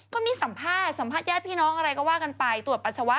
ก็มีสัมภาษณ์สัมภาษณ์ญาติพี่น้องอะไรก็ว่ากันไปตรวจปัสสาวะ